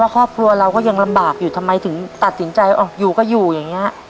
ครอบครัวเราก็ยังลำบากอยู่ทำไมถึงตัดสินใจอยู่ก็อยู่อย่างนี้